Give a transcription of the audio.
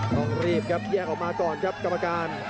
ต้องรีบครับแยกออกมาก่อนครับกรรมการ